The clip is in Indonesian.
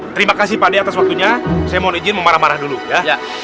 terima kasih pak ade atas waktunya saya mohon izin memarah marah dulu ya